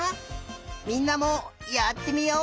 みんなもやってみよう！